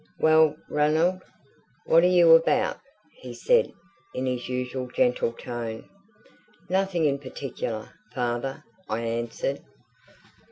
"Well, Ranald, what are you about?" he said, in his usual gentle tone. "Nothing in particular, father," I answered.